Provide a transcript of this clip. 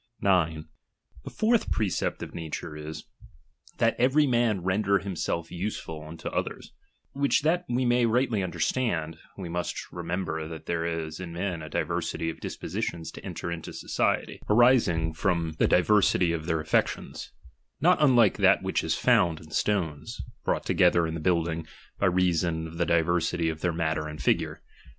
ohiin I J 9. The fourth precept of nature is, that every man render Idmself useful unto others : which that we may rightly understand, we must renaem ber that there is in men a diversity of dispositions to enter into society, arising from the diversity of their affections, not unlike that which is found in stones, brought together in the building, by reason of the diversity of their matter and figure.